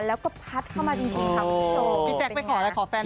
แล้วก็พัดเข้ามาดีครับคุณผู้ชม